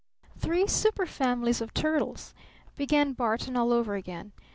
"Three superfamilies of turtles," began Barton all over again.